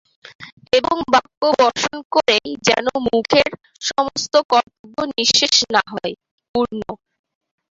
এবং বাক্যবর্ষণ করেই যেন মুখের সমস্ত কর্তব্য নিঃশেষ না হয়– পূর্ণ।